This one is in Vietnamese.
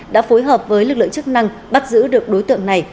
đã phối hợp với lực lượng chức năng bắt giữ được đối tượng này